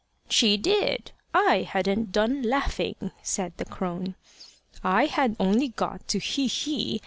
"She did. I hadn't done laughing," said the crone. "I had only got to Hi, hi!